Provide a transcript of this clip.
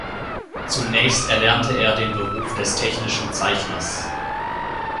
Zunächst erlernte er den Beruf des technischen Zeichners.